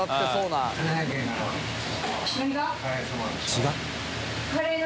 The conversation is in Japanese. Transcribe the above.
違う？